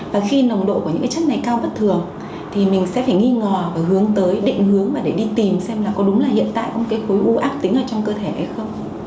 và khi nồng độ của những cái chất này cao bất thường thì mình sẽ phải nghi ngờ và hướng tới định hướng mà để đi tìm xem là có đúng là hiện tại có một cái khối u ác tính ở trong cơ thể hay không